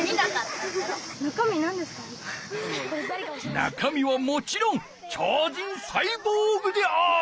中身はもちろん超人サイボーグである！